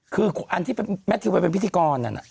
คืออันที่แมททิวไปเป็นพิธีกรนั่น